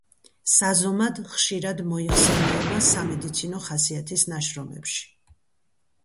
საზომად ხშირად მოიხსენიება სამედიცინო ხასიათის ნაშრომებში.